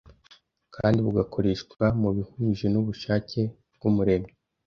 kandi bugakoreshwa mu bihuje n’ubushake bw’Umuremyi